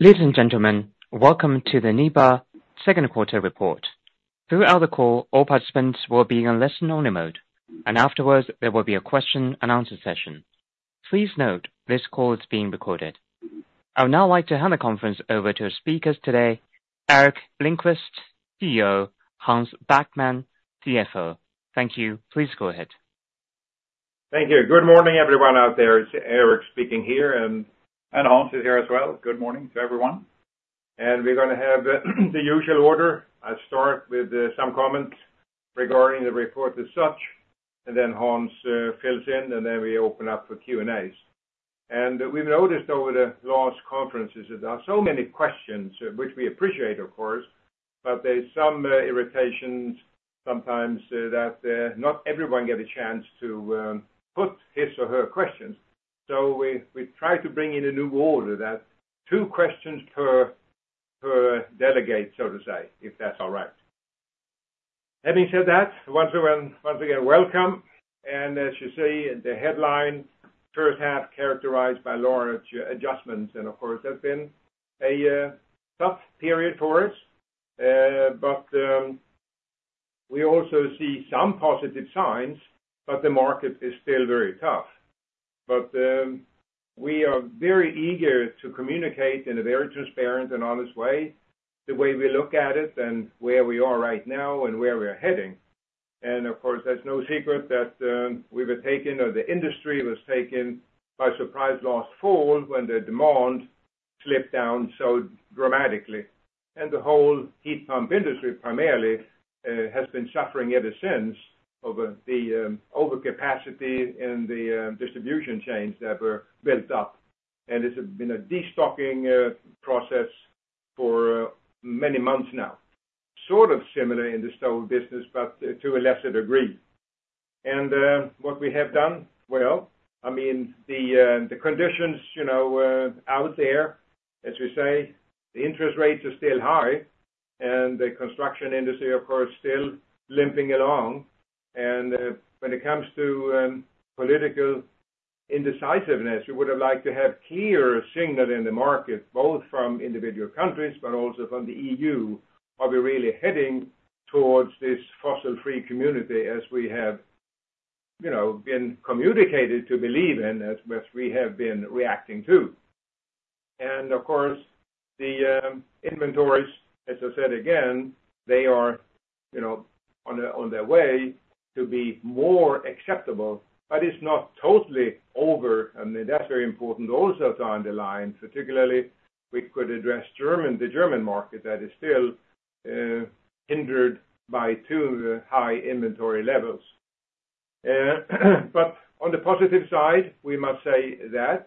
Ladies and gentlemen, welcome to the NIBE second quarter report. Throughout the call, all participants will be on listen only mode, and afterwards, there will be a question and answer session. Please note, this call is being recorded. I would now like to hand the conference over to our speakers today, Erik Lindquist, CEO, Hans Backman, CFO. Thank you. Please go ahead. Thank you. Good morning, everyone out there. It's Erik speaking here, and Hans is here as well. Good morning to everyone. And we're gonna have the usual order. I'll start with some comments regarding the report as such, and then Hans fills in, and then we open up for Q&As. And we've noticed over the last conferences that there are so many questions, which we appreciate, of course, but there's some irritations sometimes that not everyone get a chance to put his or her questions. So we try to bring in a new order that two questions per delegate, so to say, if that's all right. Having said that, once again, once again, welcome. And as you see, the headline, first half characterized by large adjustments, and of course, that's been a tough period for us. But, we also see some positive signs, but the market is still very tough. But, we are very eager to communicate in a very transparent and honest way, the way we look at it and where we are right now and where we're heading. And of course, that's no secret that, we were taken, or the industry was taken by surprise last fall when the demand slipped down so dramatically. And the whole heat pump industry, primarily, has been suffering ever since over the overcapacity in the distribution chains that were built up. And it's been a destocking process for many months now. Sort of similar in the stove business, but to a lesser degree. And, what we have done? Well, I mean, the conditions, you know, out there, as you say, the interest rates are still high, and the construction industry, of course, still limping along. And when it comes to political indecisiveness, we would have liked to have clear signal in the market, both from individual countries, but also from the EU., are we really heading towards this fossil-free community as we have, you know, been communicated to believe in, as much we have been reacting to. And of course, the inventories, as I said again, they are, you know, on their way to be more acceptable, but it's not totally over, and that's very important also to underline, particularly we could address German, the German market, that is still hindered by too high inventory levels. But on the positive side, we must say that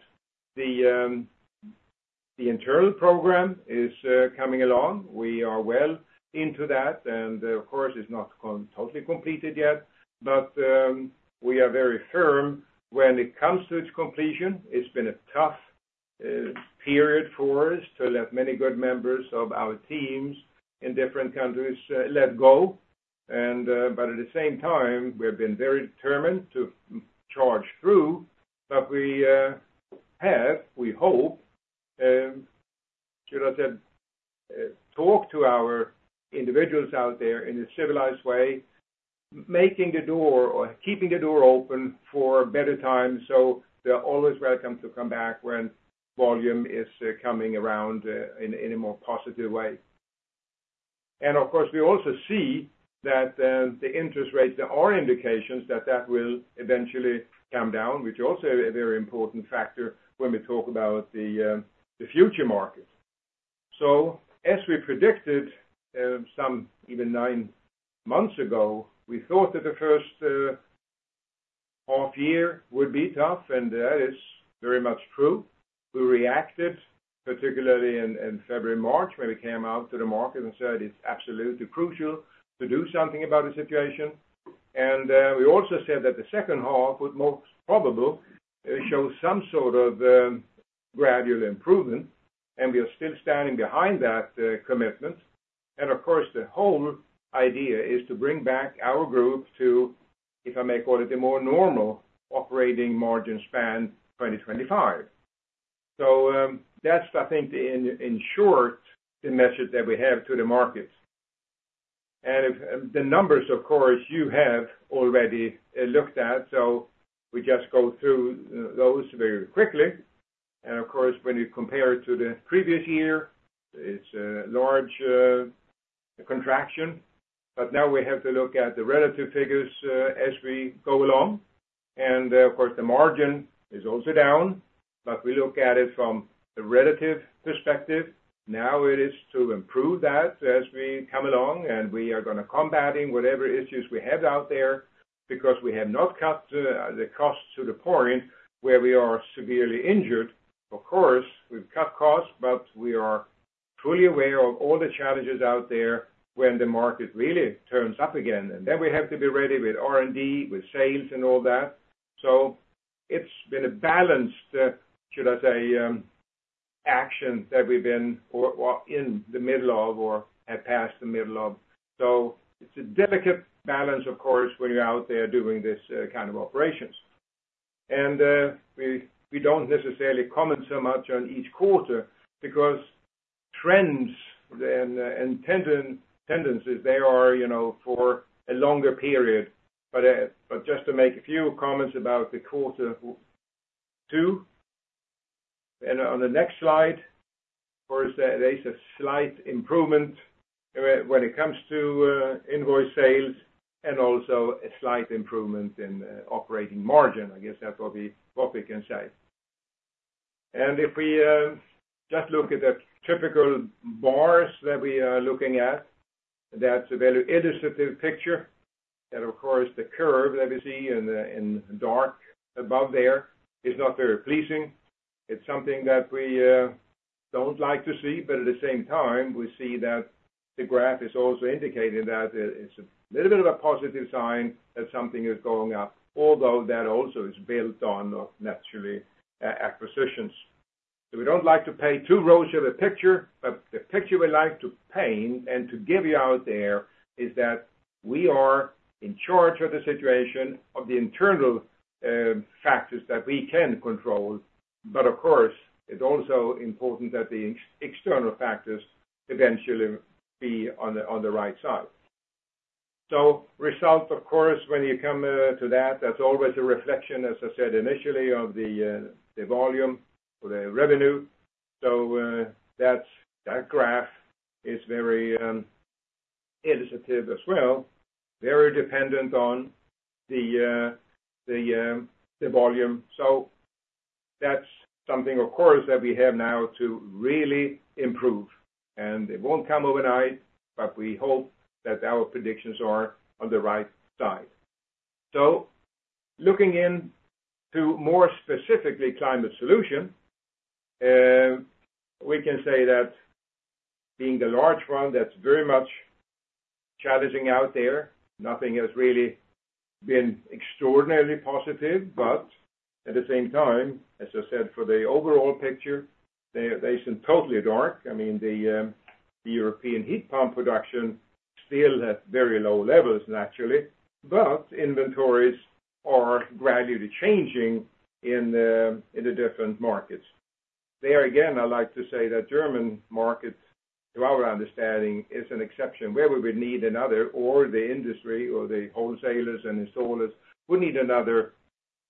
the internal program is coming along. We are well into that, and of course, it's not totally completed yet, but we are very firm when it comes to its completion. It's been a tough period for us to let many good members of our teams in different countries let go. But at the same time, we have been very determined to charge through. But we have, we hope, should I say, talk to our individuals out there in a civilized way, making the door or keeping the door open for better times, so they're always welcome to come back when volume is coming around in a more positive way. Of course, we also see that the interest rates, there are indications that that will eventually come down, which is also a very important factor when we talk about the future market. So as we predicted, some even nine months ago, we thought that the first half year would be tough, and that is very much true. We reacted, particularly in February, March, when we came out to the market and said it's absolutely crucial to do something about the situation. And we also said that the second half would most probable show some sort of gradual improvement, and we are still standing behind that commitment. And of course, the whole idea is to bring back our group to, if I may call it, the more normal operating margin span, 2025. So, that's, I think, in short, the message that we have to the market. And the numbers, of course, you have already looked at, so we just go through those very quickly. And of course, when you compare it to the previous year, it's a large contraction, but now we have to look at the relative figures as we go along. And of course, the margin is also down, but we look at it from the relative perspective. Now it is to improve that as we come along, and we are gonna combating whatever issues we have out there because we have not cut the costs to the point where we are severely injured. Of course, we've cut costs, but we are truly aware of all the challenges out there when the market really turns up again. Then we have to be ready with R&D, with sales and all that. So it's been a balanced, should I say, action that we've been in the middle of, or have passed the middle of. So it's a delicate balance, of course, when you're out there doing this kind of operations. And we don't necessarily comment so much on each quarter, because trends and tendencies, they are, you know, for a longer period. But just to make a few comments about quarter two, and on the next slide, of course, there is a slight improvement when it comes to invoice sales, and also a slight improvement in operating margin. I guess that's what we can say. And if we just look at the typical bars that we are looking at, that's a very illustrative picture, that, of course, the curve that we see in the dark above there is not very pleasing. It's something that we don't like to see, but at the same time, we see that the graph is also indicating that it, it's a little bit of a positive sign that something is going up, although that also is built on, naturally, acquisitions. So we don't like to paint two rows of a picture, but the picture we like to paint and to give you out there is that we are in charge of the situation, of the internal factors that we can control. But of course, it's also important that the external factors eventually be on the right side. So results, of course, when you come to that, that's always a reflection, as I said initially, of the volume or the revenue. So, that's, that graph is very illustrative as well, very dependent on the volume. So that's something, of course, that we have now to really improve, and it won't come overnight, but we hope that our predictions are on the right side. So looking into more specifically Climate Solutions, we can say that being the large one, that's very much challenging out there. Nothing has really been extraordinarily positive, but at the same time, as I said, for the overall picture, it isn't totally dark. I mean, the European heat pump production still at very low levels, naturally, but inventories are gradually changing in the different markets. There, again, I'd like to say that German market, to our understanding, is an exception, where we would need another, or the industry or the wholesalers and installers, we need another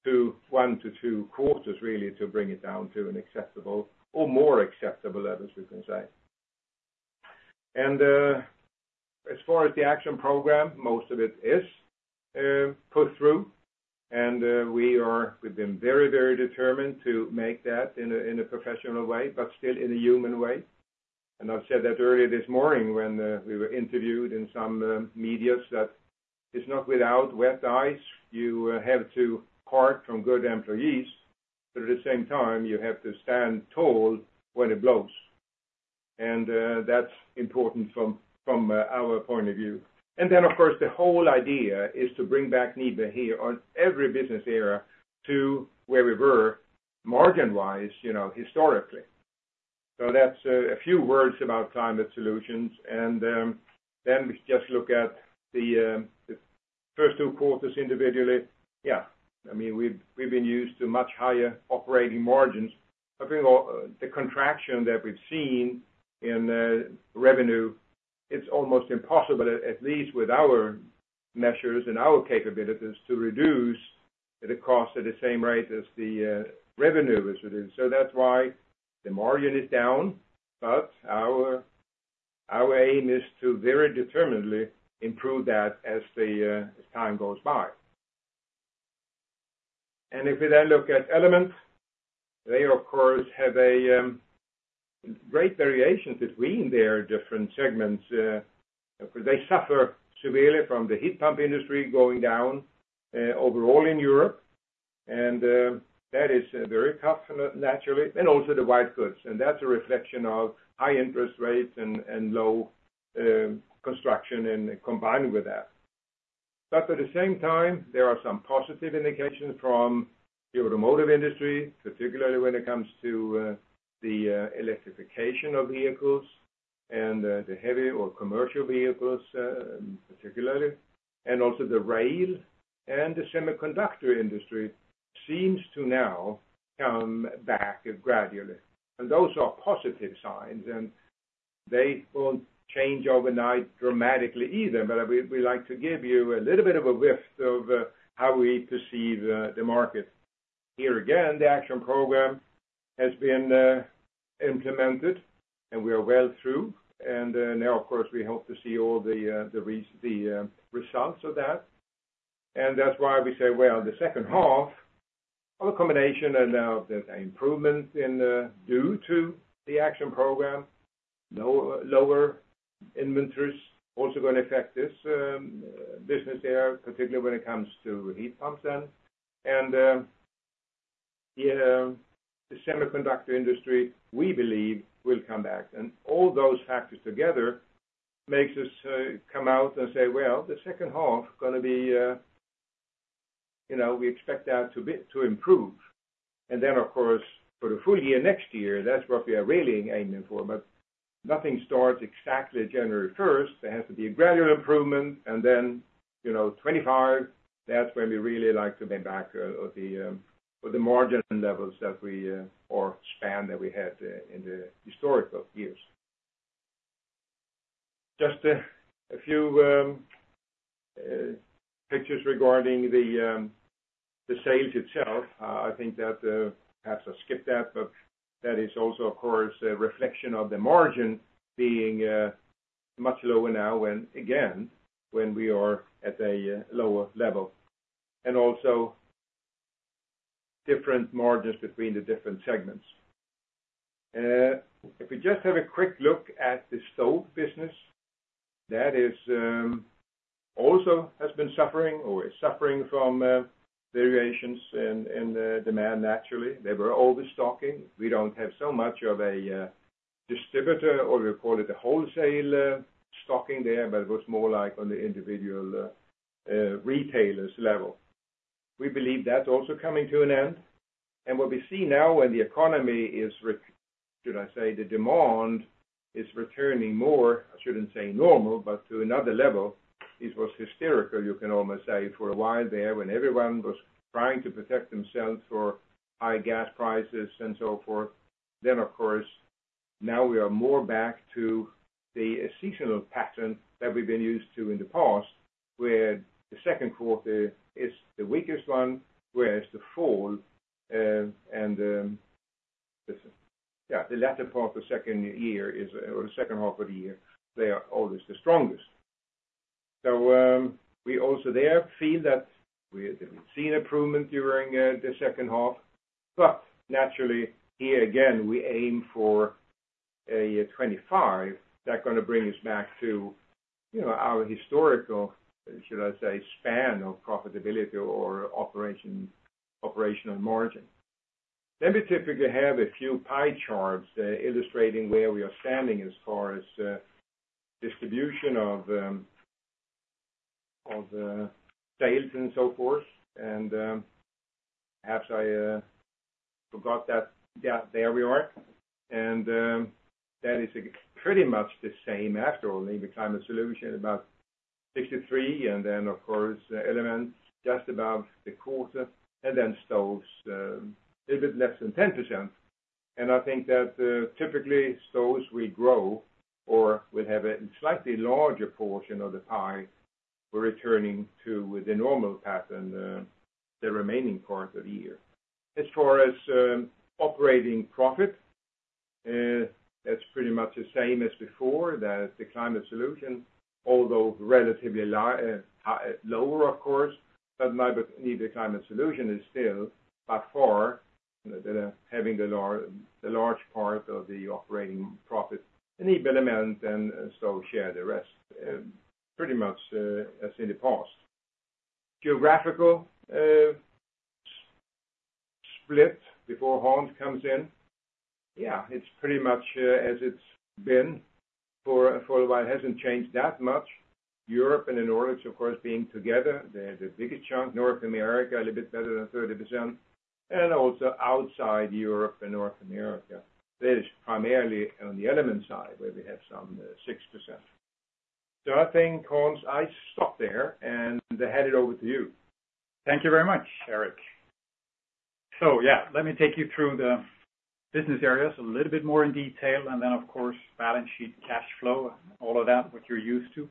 2, 1-2 quarters, really, to bring it down to an acceptable or more acceptable level, as we can say. And, as far as the action program, most of it is, put through, and, we are-- We've been very, very determined to make that in a, in a professional way, but still in a human way. And I've said that earlier this morning when, we were interviewed in some, media, that it's not without wet eyes, you have to part from good employees, but at the same time, you have to stand tall when it blows. And, that's important from, from, our point of view. Then, of course, the whole idea is to bring back NIBE here on every business area to where we were margin-wise, you know, historically. So that's a few words about climate solutions. Then we just look at the first two quarters individually. Yeah, I mean, we've been used to much higher operating margins. I think all the contraction that we've seen in revenue, it's almost impossible, at least with our measures and our capabilities, to reduce the cost at the same rate as the revenue is reduced. So that's why the margin is down, but our aim is to very determinedly improve that as time goes by. If we then look at Element, they, of course, have a great variation between their different segments, because they suffer severely from the heat pump industry going down overall in Europe, and that is very tough, naturally, and also the white goods. And that's a reflection of high interest rates and low construction and combining with that. But at the same time, there are some positive indications from the automotive industry, particularly when it comes to the electrification of vehicles and the heavy or commercial vehicles, particularly, and also the rail, and the semiconductor industry seems to now come back gradually. And those are positive signs, and they won't change overnight dramatically either. But we like to give you a little bit of a whiff of how we perceive the market. Here, again, the action program has been implemented, and we are well through. And now, of course, we hope to see all the results of that. And that's why we say, well, the second half of a combination and the improvement in due to the action program, lower inventories, also going to affect this business area, particularly when it comes to heat pumps then. And yeah, the semiconductor industry, we believe, will come back. And all those factors together makes us come out and say, "Well, the second half gonna be, you know, we expect that to be, to improve." And then, of course, for the full year next year, that's what we are really aiming for. But nothing starts exactly January first. There has to be a gradual improvement, and then, you know, 2025, that's when we really like to be back, with the, with the margin levels that we, or span that we had, in the historical years. Just, a few, pictures regarding the, the sales itself. I think that, perhaps I'll skip that, but that is also, of course, a reflection of the margin being, much lower now, when, again, when we are at a, lower level, and also different margins between the different segments. If we just have a quick look at the stove business, that is, also has been suffering or is suffering from, variations in, in the demand, naturally. They were overstocking. We don't have so much of a distributor, or we call it a wholesale stocking there, but it was more like on the individual retailer's level. We believe that's also coming to an end, and what we see now when the economy is, should I say, the demand is returning more, I shouldn't say normal, but to another level. It was hysterical, you can almost say, for a while there, when everyone was trying to protect themselves for high gas prices and so forth. Then, of course, now we are more back to the seasonal pattern that we've been used to in the past, where the second quarter is the weakest one, whereas the fall and the latter part of the second year is, or the second half of the year, they are always the strongest. So, we also there see that we've seen improvement during the second half. But naturally, here again, we aim for 2025. That gonna bring us back to, you know, our historical, should I say, span of profitability or operational margin. Let me typically have a few pie charts illustrating where we are standing as far as distribution of sales and so forth. And perhaps I forgot that. Yeah, there we are. And that is pretty much the same after only the climate solution, about 63%, and then, of course, the Element, just about a quarter, and then stoves, a bit less than 10%. And I think that typically, stoves will grow or will have a slightly larger portion of the pie. We're returning to the normal pattern, the remaining part of the year. As far as operating profit, that's pretty much the same as before, that the Climate Solutions, although relatively high, lower, of course, but NIBE Climate Solutions is still by far having the large part of the operating profit, and Element and so share the rest, pretty much as in the past. Geographical split before Hans comes in. Yeah, it's pretty much as it's been for a while. It hasn't changed that much. Europe and the Nordics, of course, being together, they're the biggest chunk. North America, a little bit better than 30%, and also outside Europe and North America. That is primarily on the Element side, where we have some 6%.I think, Hans, I stop there, and hand it over to you. Thank you very much, Erik. So yeah, let me take you through the business areas a little bit more in detail, and then, of course, balance sheet, cash flow, all of that, which you're used to,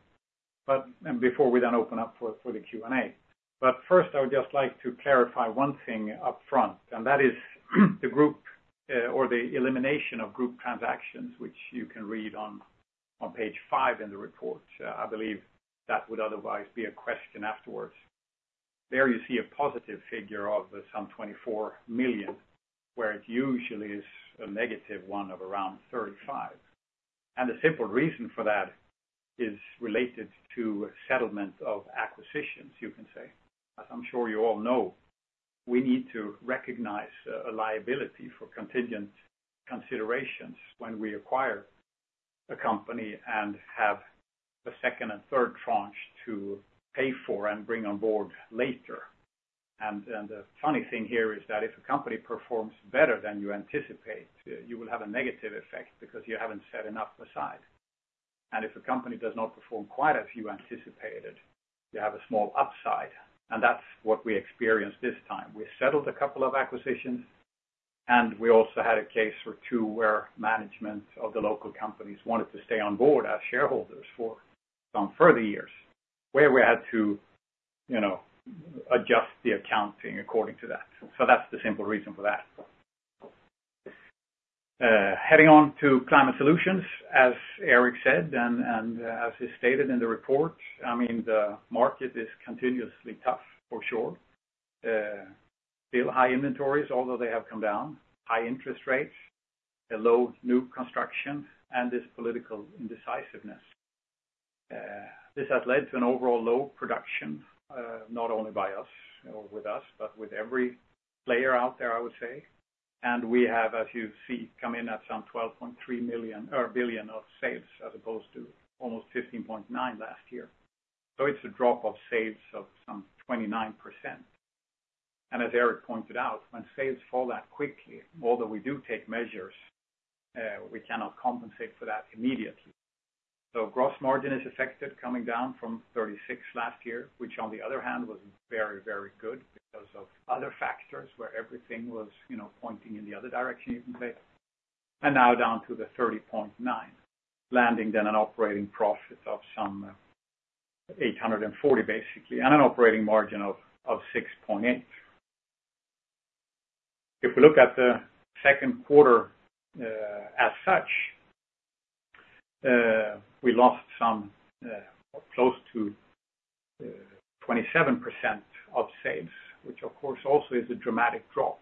but, and before we then open up for, for the Q&A. But first, I would just like to clarify one thing upfront, and that is, the group, or the elimination of group transactions, which you can read on, on page five in the report. I believe that would otherwise be a question afterwards. There you see a positive figure of some 24 million, where it usually is a negative one of around 35 million. And the simple reason for that is related to settlement of acquisitions, you can say. As I'm sure you all know, we need to recognize a liability for contingent considerations when we acquire a company and have the second and third tranche to pay for and bring on board later. And the funny thing here is that if a company performs better than you anticipate, you will have a negative effect because you haven't set enough aside. And if a company does not perform quite as you anticipated, you have a small upside, and that's what we experienced this time. We settled a couple of acquisitions, and we also had a case for two, where management of the local companies wanted to stay on board as shareholders for some further years, where we had to, you know, adjust the accounting according to that. So that's the simple reason for that. Heading on to Climate Solutions, as Erik said, and as he stated in the report, I mean, the market is continuously tough, for sure. Still high inventories, although they have come down, high interest rates, a low new construction, and this political indecisiveness. This has led to an overall low production, not only by us or with us, but with every player out there, I would say. And we have, as you see, come in at some 12.3 billion of sales, as opposed to almost 15.9 billion last year. So it's a drop of sales of some 29%. And as Erik pointed out, when sales fall that quickly, although we do take measures, we cannot compensate for that immediately. So gross margin is affected, coming down from 36% last year, which on the other hand, was very, very good because of other factors where everything was, you know, pointing in the other direction, you can say. And now down to the 30.9%, landing then an operating profit of some 840, basically, and an operating margin of 6.8%. If we look at the second quarter as such, we lost some close to 27% of sales, which of course also is a dramatic drop,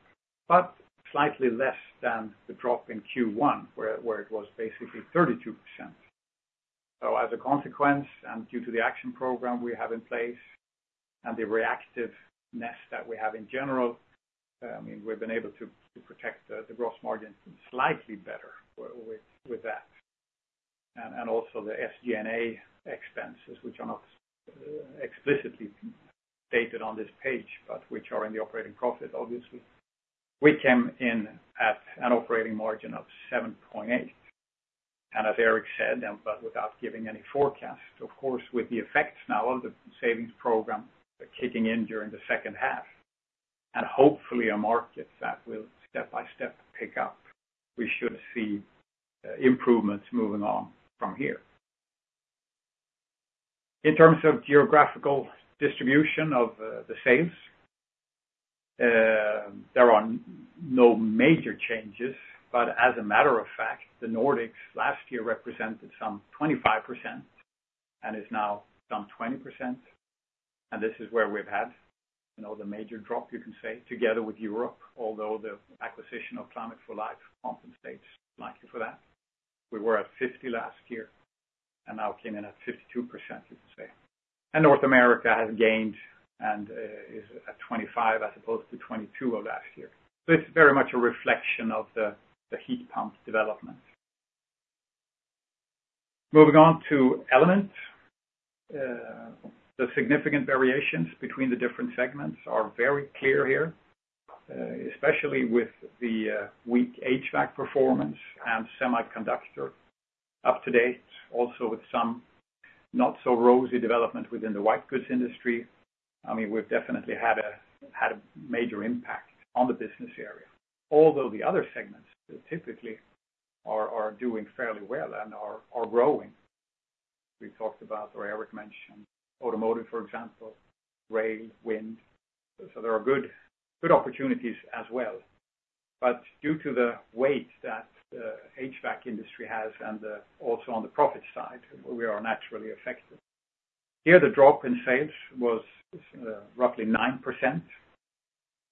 but slightly less than the drop in Q1, where it was basically 32%. So as a consequence, and due to the action program we have in place and the reactiveness that we have in general, I mean, we've been able to protect the gross margin slightly better with that. And also the SG&A expenses, which are not explicitly stated on this page, but which are in the operating profit obviously. We came in at an operating margin of 7.8, and as Erik said, but without giving any forecast, of course, with the effects now of the savings program kicking in during the second half, and hopefully a market that will step by step pick up, we should see improvements moving on from here. In terms of geographical distribution of the sales, there are no major changes, but as a matter of fact, the Nordics last year represented some 25% and is now some 20%, and this is where we've had, you know, the major drop, you can say, together with Europe, although the acquisition of Climate for Life compensates slightly for that. We were at 50 last year, and now came in at 52%, you could say. And North America has gained and is at 25% as opposed to 22% of last year. So it's very much a reflection of the heat pump development. Moving on to Element, the significant variations between the different segments are very clear here, especially with the weak HVAC performance and semiconductor up-to-date, also with some not so rosy development within the white goods industry. I mean, we've definitely had a major impact on the business area, although the other segments typically are doing fairly well and are growing. We talked about, or Erik mentioned automotive, for example, rail, wind. So there are good opportunities as well. But due to the weight that the HVAC industry has and also on the profit side, we are naturally affected. Here, the drop in sales was roughly 9%.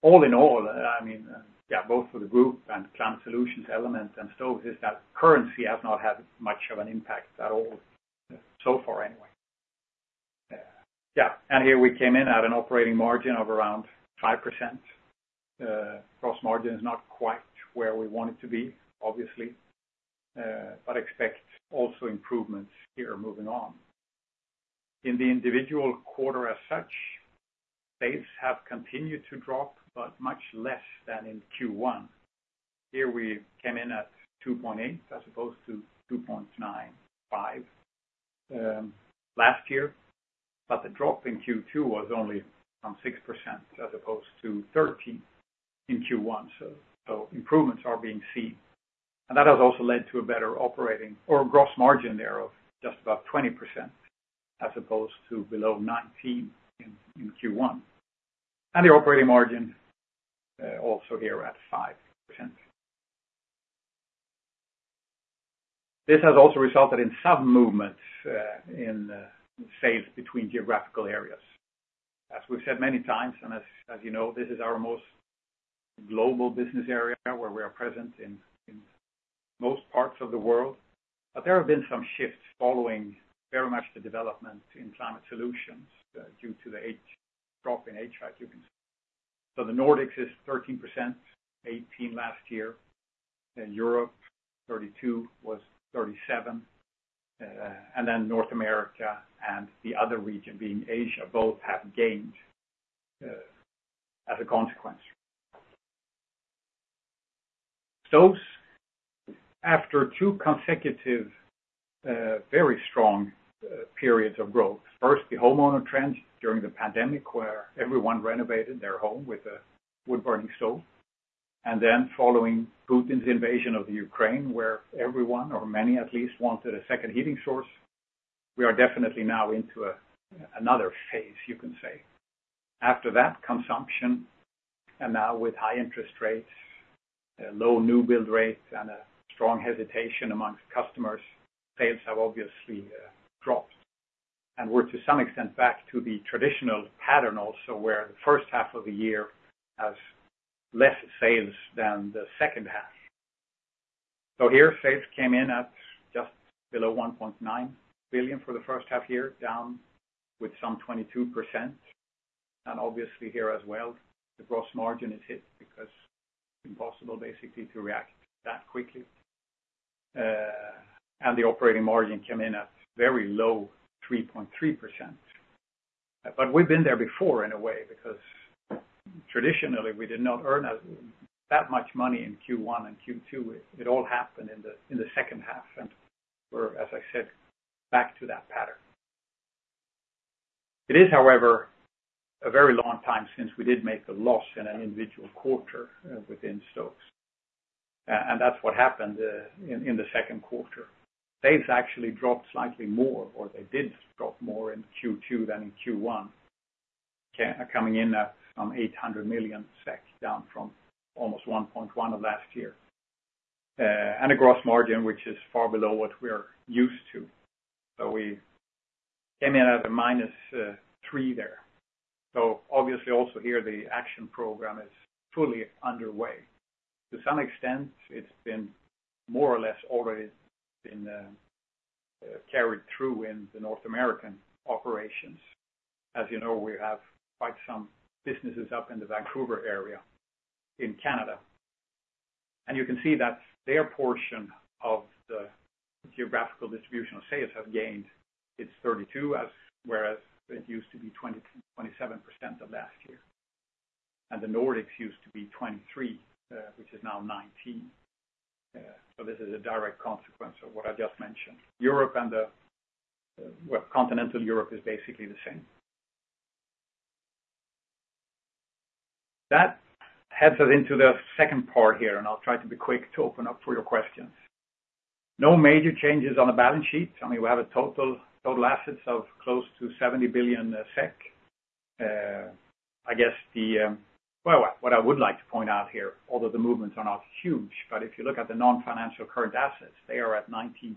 All in all, I mean, yeah, both for the group and Climate Solutions, Element, and Stoves, is that currency has not had much of an impact at all, so far anyway. Yeah, and here we came in at an operating margin of around 5%. Gross margin is not quite where we want it to be, obviously, but expect also improvements here moving on. In the individual quarter as such, sales have continued to drop, but much less than in Q1. Here we came in at 2.8, as opposed to 2.95 last year, but the drop in Q2 was only some 6%, as opposed to 13 in Q1. So improvements are being seen, and that has also led to a better operating or gross margin there of just about 20%, as opposed to below 19 in Q1. And the operating margin also here at 5%. This has also resulted in some movements in sales between geographical areas. As we've said many times, and as you know, this is our most global business area, where we are present in most parts of the world. But there have been some shifts following very much the development in climate solutions, due to the drop in HVAC, you can say. So the Nordics is 13%, 18% last year, and Europe, 32%, was 37%, and then North America and the other region, being Asia, both have gained, as a consequence. Stoves, after two consecutive, very strong, periods of growth, first the homeowner trends during the pandemic, where everyone renovated their home with a wood-burning stove, and then following Putin's invasion of Ukraine, where everyone, or many at least, wanted a second heating source, we are definitely now into another phase, you can say. After that, consumption, and now with high interest rates, low new build rates, and a strong hesitation amongst customers, sales have obviously, dropped. We're, to some extent, back to the traditional pattern also, where the first half of the year has less sales than the second half. So here, sales came in at just below 1.9 billion for the first half year, down with some 22%. And obviously here as well, the gross margin is hit because impossible basically to react that quickly, and the operating margin came in at very low 3.3%. But we've been there before in a way, because traditionally, we did not earn that much money in Q1 and Q2. It all happened in the second half, and we're, as I said, back to that pattern. It is, however, a very long time since we did make a loss in an individual quarter within Stoves. And that's what happened in the second quarter. Sales actually dropped slightly more, or they did drop more in Q2 than in Q1. Coming in at some 800 million SEK, down from almost 1.1 billion last year. And a gross margin, which is far below what we're used to. So we came in at a minus 3% there. So obviously also here, the action program is fully underway. To some extent, it's been more or less already been carried through in the North American operations. As you know, we have quite some businesses up in the Vancouver area in Canada. And you can see that their portion of the geographical distribution of sales have gained. It's 32%, whereas it used to be 27% last year. And the Nordics used to be 23%, which is now 19%. So this is a direct consequence of what I just mentioned. Europe and the, well, Continental Europe is basically the same. That heads us into the second part here, and I'll try to be quick to open up for your questions. No major changes on the balance sheet. I mean, we have total assets of close to 70 billion SEK. I guess the, well, what I would like to point out here, although the movements are not huge, but if you look at the non-financial current assets, they are at 19.5 billion,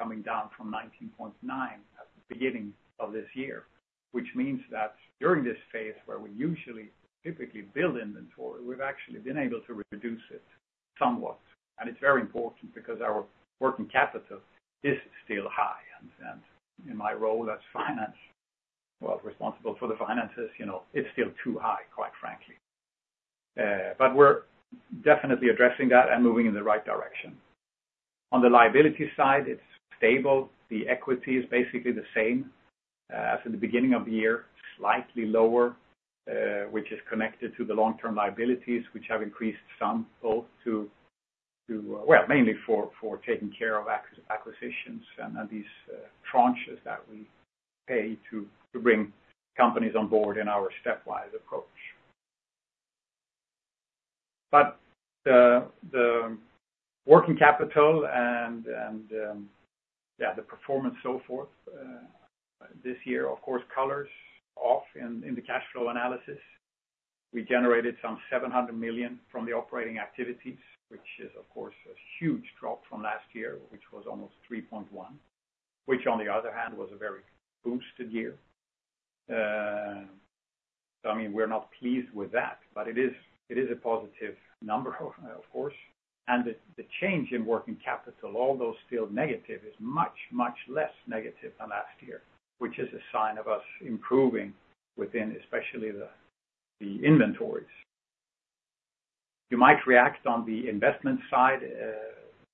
coming down from 19.9 billion at the beginning of this year, which means that during this phase, where we usually typically build inventory, we've actually been able to reduce it somewhat. And it's very important because our working capital is still high, and in my role as finance, well, responsible for the finances, you know, it's still too high, quite frankly. But we're definitely addressing that and moving in the right direction. On the liability side, it's stable. The equity is basically the same, as in the beginning of the year, slightly lower, which is connected to the long-term liabilities, which have increased some, both to well, mainly for taking care of acquisitions and these tranches that we pay to bring companies on board in our stepwise approach. But the working capital and, yeah, the performance so forth, this year, of course, colors off in the cash flow analysis. We generated 700 million from the operating activities, which is, of course, a huge drop from last year, which was almost 3.1 billion, which, on the other hand, was a very boosted year. So I mean, we're not pleased with that, but it is, it is a positive number, of course. And the, the change in working capital, although still negative, is much, much less negative than last year, which is a sign of us improving within, especially the, the inventories. You might react on the investment side,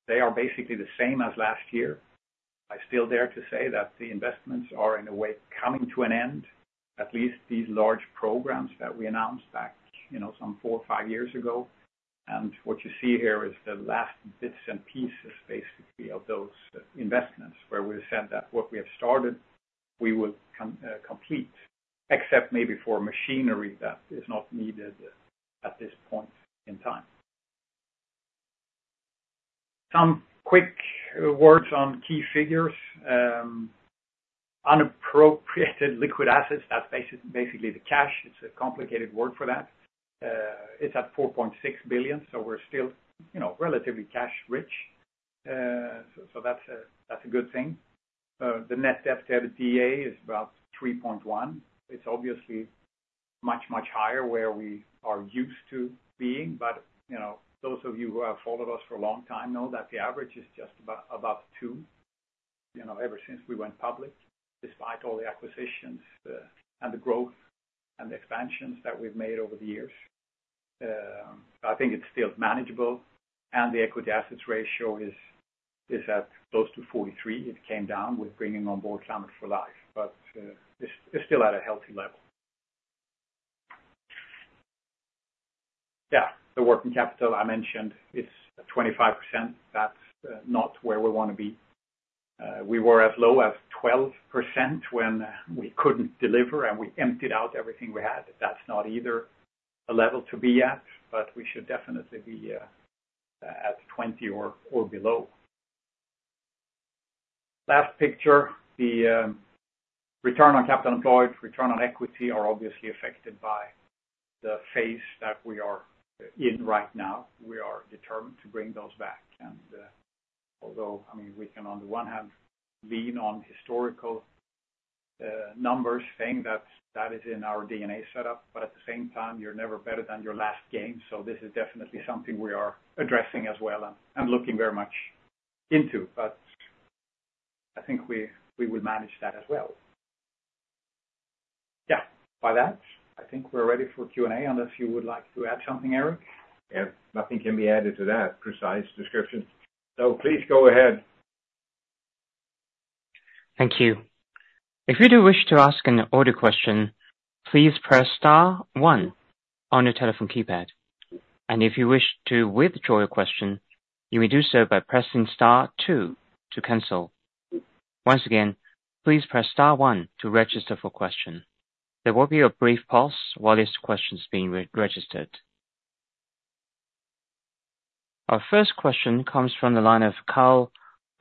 they are basically the same as last year. I still dare to say that the investments are, in a way, coming to an end, at least these large programs that we announced back, you know, some four or five years ago. What you see here is the last bits and pieces, basically, of those investments, where we said that what we have started, we would complete, except maybe for machinery that is not needed at this point in time. Some quick words on key figures. Unappropriated liquid assets, that's basically the cash. It's a complicated word for that. It's at 4.6 billion, so we're still, you know, relatively cash rich. So that's a good thing. The net debt to EBITDA is about 3.1. It's obviously much, much higher where we are used to being, but, you know, those of you who have followed us for a long time know that the average is just about, about 2, you know, ever since we went public, despite all the acquisitions, and the growth and the expansions that we've made over the years. I think it's still manageable, and the equity assets ratio is, is at close to 43. It came down with bringing on board Climate for Life, but, it's, it's still at a healthy level. Yeah, the working capital I mentioned, it's at 25%. That's, not where we want to be. We were as low as 12% when we couldn't deliver, and we emptied out everything we had. That's not either a level to be at, but we should definitely be, at 20 or, or below. Last picture, the return on capital employed, return on equity, are obviously affected by the phase that we are in right now. We are determined to bring those back. And, although, I mean, we can on the one hand lean on historical numbers, saying that that is in our DNA setup, but at the same time, you're never better than your last game. So this is definitely something we are addressing as well and looking very much into, but I think we will manage that as well. By that, I think we're ready for Q&A, unless you would like to add something, Erik? Yes, nothing can be added to that precise description. So please go ahead. Thank you. If you do wish to ask an audio question, please press star one on your telephone keypad, and if you wish to withdraw your question, you may do so by pressing star two to cancel. Once again, please press star one to register for question. There will be a brief pause while this question is being re-registered. Our first question comes from the line of Carl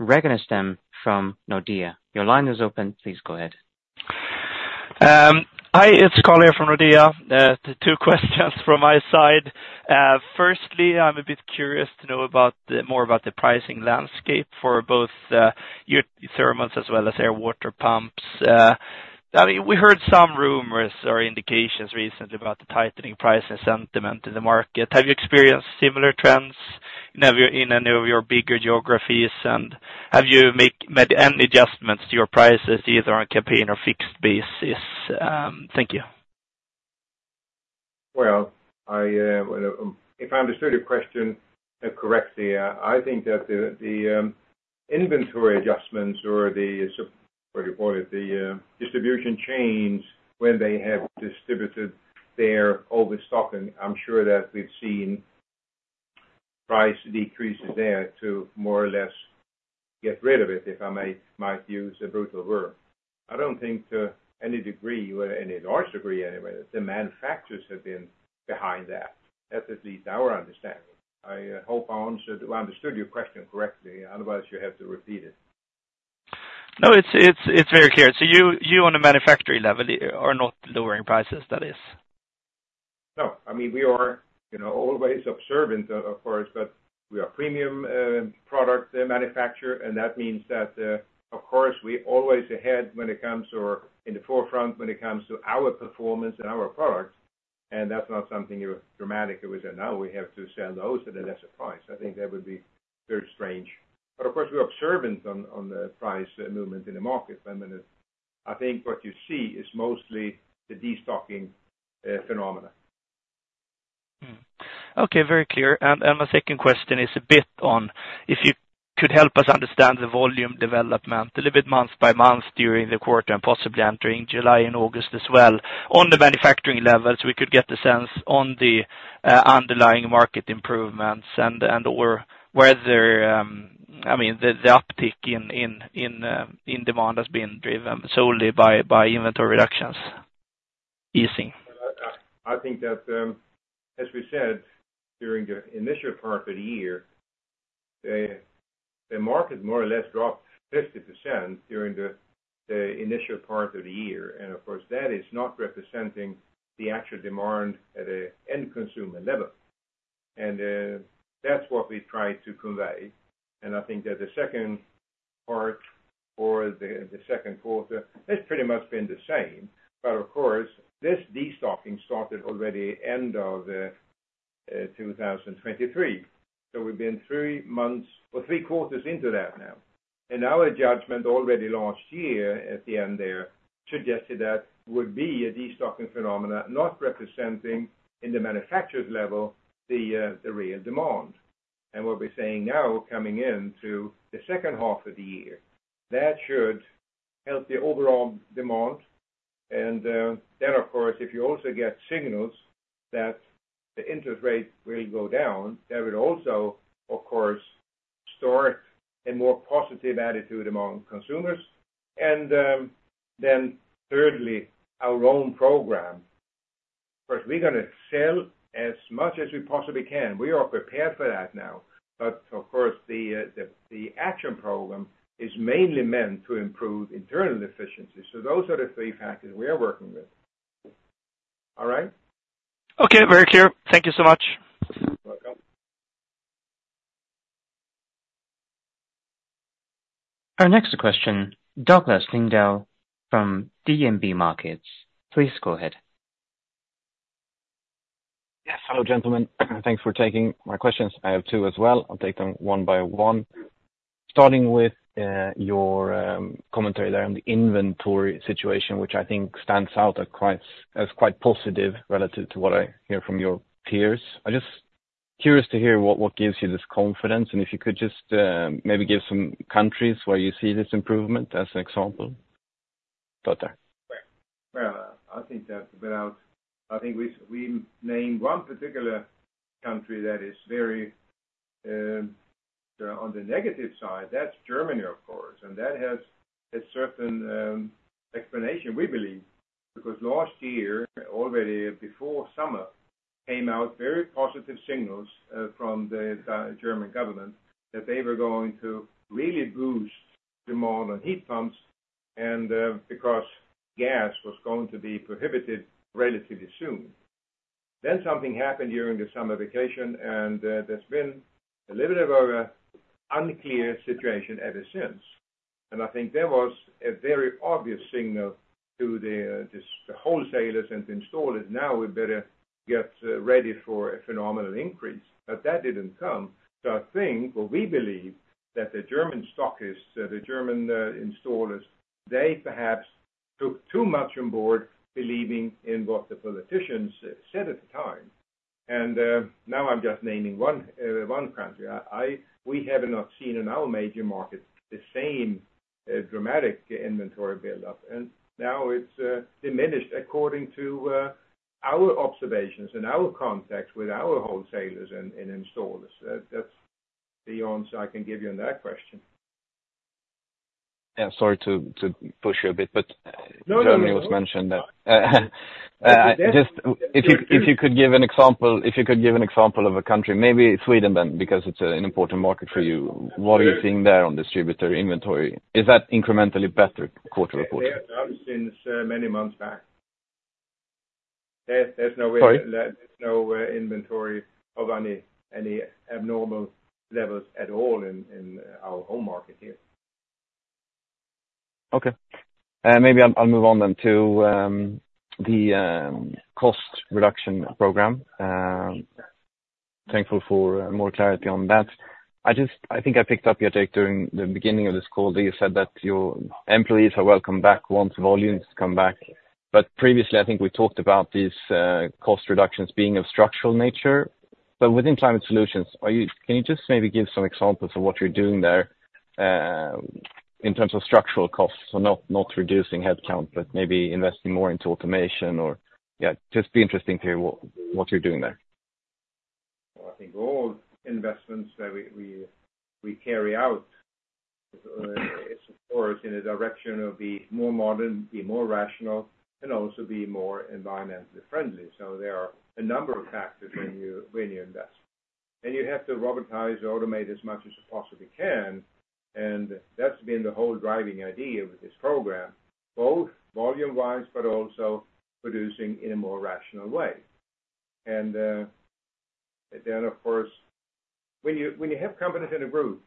Ragnerstam from Nordea. Your line is open. Please go ahead. Hi, it's Carl here from Nordea. The two questions from my side. Firstly, I'm a bit curious to know more about the pricing landscape for both your thermals as well as air water pumps. I mean, we heard some rumors or indications recently about the tightening price and sentiment in the market. Have you experienced similar trends in any of your bigger geographies, and have you made any adjustments to your prices, either on a campaign or fixed basis? Thank you. Well, if I understood your question correctly, I think that the inventory adjustments or the distribution chains, when they have distributed their overstock, and I'm sure that we've seen price decreases there to more or less get rid of it, if I may, might use a brutal word. I don't think to any degree, well, any large degree anyway, the manufacturers have been behind that. That's at least our understanding. I hope I answered. I understood your question correctly. Otherwise, you have to repeat it. No, it's very clear. So you on a manufacturing level are not lowering prices, that is? No. I mean, we are, you know, always observant, of course, but we are premium product manufacturer, and that means that, of course, we always ahead when it comes or in the forefront when it comes to our performance and our products, and that's not something you dramatically, where now we have to sell those at a lesser price. I think that would be very strange. But of course, we're observant on, on the price movement in the market, and then I think what you see is mostly the destocking phenomena. Okay, very clear. And my second question is a bit on if you could help us understand the volume development a little bit month by month during the quarter, and possibly entering July and August as well. On the manufacturing levels, we could get the sense on the underlying market improvements and/or whether, I mean, the uptick in demand has been driven solely by inventory reductions easing. I think that, as we said, during the initial part of the year, the market more or less dropped 50% during the initial part of the year, and of course, that is not representing the actual demand at an end consumer level. And that's what we tried to convey, and I think that the second part or the second quarter, it's pretty much been the same. But of course, this destocking started already end of 2023. So we've been three months or three quarters into that now. In our judgment, already last year, at the end there, suggested that would be a destocking phenomena, not representing in the manufactured level, the real demand. And what we're saying now, coming into the second half of the year, that should help the overall demand. Then, of course, if you also get signals that the interest rate will go down, that will also, of course, store a more positive attitude among consumers. Then thirdly, our own program, first, we're gonna sell as much as we possibly can. We are prepared for that now. But of course, the action program is mainly meant to improve internal efficiency. So those are the three factors we are working with. All right? Okay, very clear. Thank you so much. You're welcome. Our next question, Douglas Lindahl from DNB Markets, please go ahead. Yes. Hello, gentlemen. Thanks for taking my questions. I have two as well. I'll take them one by one. Starting with your commentary there on the inventory situation, which I think stands out as quite positive relative to what I hear from your peers. I'm just curious to hear what gives you this confidence, and if you could just maybe give some countries where you see this improvement as an example. Over to you. Well, I think we named one particular country that is very on the negative side, that's Germany, of course, and that has a certain explanation, we believe. Because last year, already before summer, came out very positive signals from the German government, that they were going to really boost demand on heat pumps and because gas was going to be prohibited relatively soon. Then something happened during the summer vacation, and there's been a little bit of a unclear situation ever since. And I think there was a very obvious signal to the wholesalers and the installers, "Now we better get ready for a phenomenal increase." But that didn't come. So I think, or we believe, that the German stockists, the German installers, they perhaps took too much on board, believing in what the politicians said at the time. Now I'm just naming one, one country. I, we have not seen in our major markets the same dramatic inventory buildup, and now it's diminished according to our observations and our contacts with our wholesalers and, and installers. That's the answer I can give you on that question. Yeah, sorry to push you a bit, but. No, no, no. Erik mentioned that, just if you could give an example of a country, maybe Sweden then, because it's an important market for you. What are you seeing there on distributor inventory? Is that incrementally better quarter reported? They have not since many months back. There, there's no way. Sorry. There's no inventory of any abnormal levels at all in our home market here. Okay. Maybe I'll, I'll move on then to the cost reduction program. Thankful for more clarity on that. I just. I think I picked up your take during the beginning of this call, that you said that your employees are welcome back once volumes come back. But previously, I think we talked about these cost reductions being of structural nature. But within climate solutions, are you-- Can you just maybe give some examples of what you're doing there in terms of structural costs? So not, not reducing headcount, but maybe investing more into automation or. Yeah, just be interesting to hear what, what you're doing there. Well, I think all investments that we carry out is of course in a direction of the more modern, the more rational, and also be more environmentally friendly. So there are a number of factors when you invest. And you have to robotize, automate as much as you possibly can, and that's been the whole driving idea with this program, both volume wise, but also producing in a more rational way. And then, of course, when you have companies in a group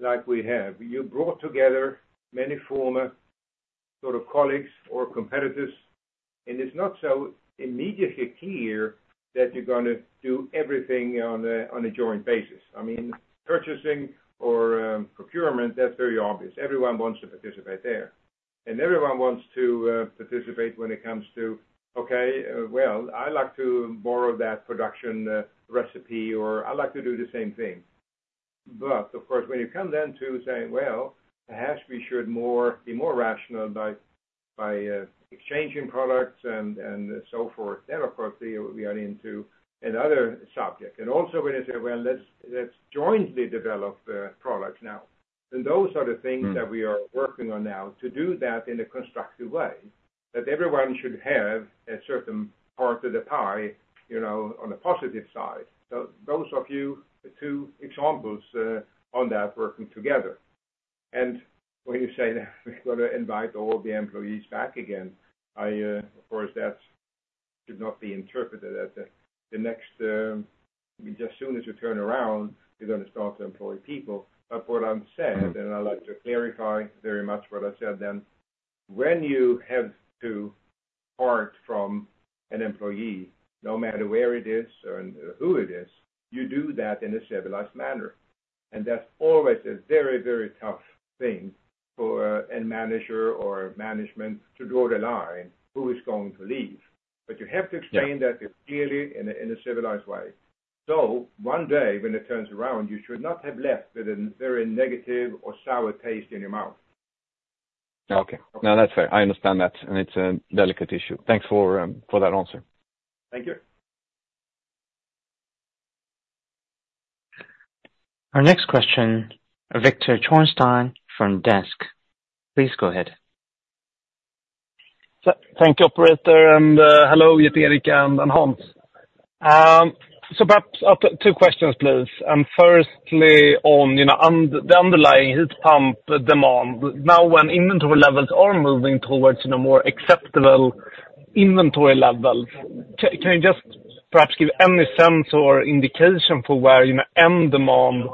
like we have, you brought together many former sort of colleagues or competitors, and it's not so immediately clear that you're gonna do everything on a joint basis. I mean, purchasing or procurement, that's very obvious. Everyone wants to participate there, and everyone wants to participate when it comes to, "Okay, well, I like to borrow that production recipe," or, "I like to do the same thing." But of course, when you come then to say, "Well, perhaps we should more, be more rational by exchanging products and so forth," then of course, we are into another subject. And also when you say, "Well, let's jointly develop products now." And those are the things that we are working on now to do that in a constructive way, that everyone should have a certain part of the pie, you know, on a positive side. So those are a few, two examples on that working together. And when you say that we're gonna invite all the employees back again, Of course, that should not be interpreted as the next, just as soon as you turn around, you're gonna start to employ people. But what I'm saying, and I'd like to clarify very much what I said then, when you have to part from an employee, no matter where it is or who it is, you do that in a civilized manner. And that's always a very, very tough thing for a manager or management to draw the line, who is going to leave. But you have to explain that clearly in a civilized way. So one day when it turns around, you should not have left with a very negative or sour taste in your mouth. Okay. No, that's fair. I understand that, and it's a delicate issue. Thanks for that answer. Thank you. Our next question, Viktor Trollsten from Danske Bank. Please go ahead. Thank you, operator, and hello yet again, Erik and Hans. So perhaps I'll put two questions, please. Firstly, on, you know, the underlying heat pump demand. Now, when inventory levels are moving towards, you know, more acceptable inventory levels, can you just perhaps give any sense or indication for where, you know, end demand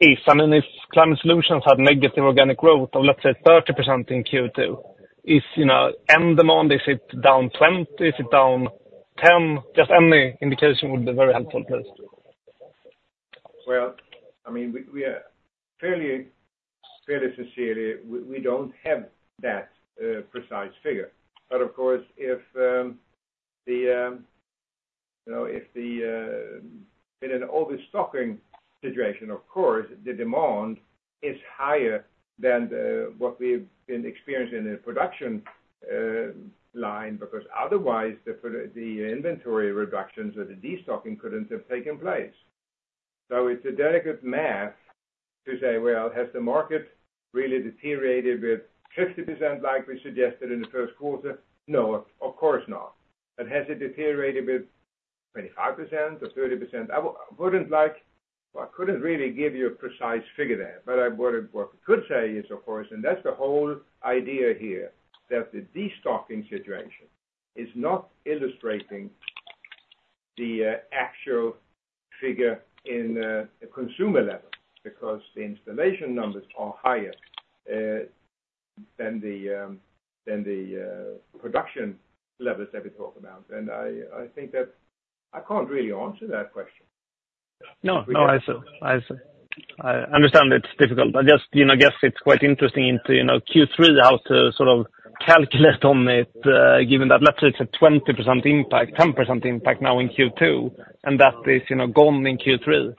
is? I mean, if climate solutions have negative organic growth of, let's say, 30% in Q2, is, you know, end demand, is it down 20, is it down 10? Just any indication would be very helpful, please. Well, I mean, we are fairly sincerely, we don't have that precise figure. But of course, if, you know. In an overstocking situation, of course, the demand is higher than the, what we've been experiencing in the production line, because otherwise the inventory reductions or the destocking couldn't have taken place. So it's a delicate math to say, "Well, has the market really deteriorated with 50% like we suggested in the first quarter?" No, of course not. But has it deteriorated with 25% or 30%? I wouldn't like, I couldn't really give you a precise figure there, but I would, what I could say is, of course, and that's the whole idea here, that the destocking situation is not illustrating the actual figure in the consumer level, because the installation numbers are higher than the production levels that we talk about. And I, I think that I can't really answer that question. No, no, I see, I see. I understand it's difficult, but just, you know, I guess it's quite interesting into, you know, Q3, how to sort of calculate on it, given that let's say it's a 20% impact, 10% impact now in Q2, and that is, you know, gone in Q3.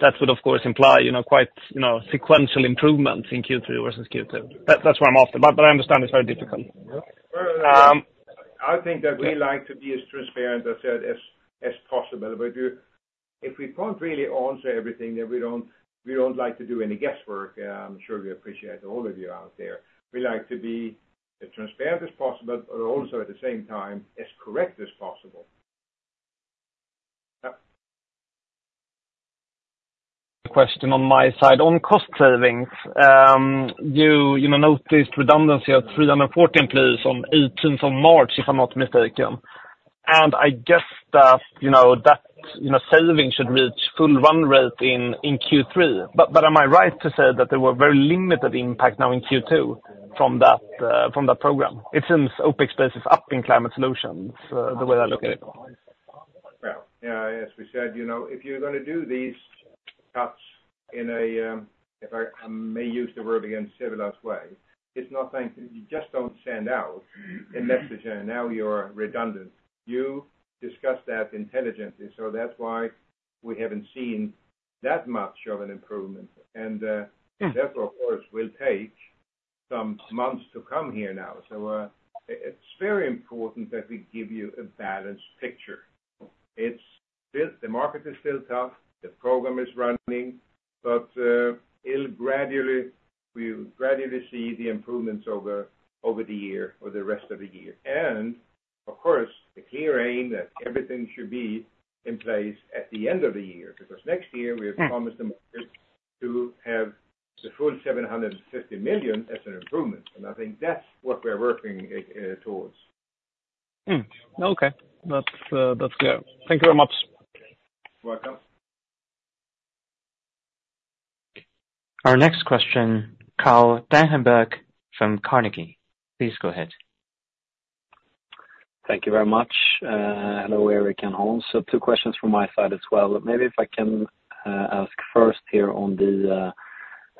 That would, of course, imply, you know, quite, you know, sequential improvements in Q3 versus Q2. That, that's what I'm asking, but, but I understand it's very difficult. I think that we like to be as transparent as possible. But if we can't really answer everything, then we don't like to do any guesswork. I'm sure we appreciate all of you out there. We like to be as transparent as possible, but also at the same time, as correct as possible. Yeah. Question on my side. On cost savings, you know, noticed redundancy of 314 employees on eighteenth of March, if I'm not mistaken. And I guess that, you know, that saving should reach full run rate in Q3. But am I right to say that there were very limited impact now in Q2 from that program? It seems OpEx space is up in Climate Solutions, the way I look at it. Well, yeah, as we said, you know, if you're gonna do these cuts in a, if I, may use the word again, civilized way, it's not something you just don't send out a message, and now you're redundant. You discuss that intelligently, so that's why we haven't seen that much of an improvement. And therefore, of course, will take some months to come here now. So, it's very important that we give you a balanced picture. It's still, the market is still tough, the program is running, but, it'll gradually, we'll gradually see the improvements over the year or the rest of the year. And, of course, the clear aim that everything should be in place at the end of the year, because next year we have promised the market to have the full 750 million as an improvement, and I think that's what we're working towards. Okay. That's, that's clear. Thank you very much. You're welcome. Our next question, Carl Deijenberg from Carnegie. Please go ahead. Thank you very much. Hello, Erik and Hans. So two questions from my side as well. Maybe if I can ask first here on the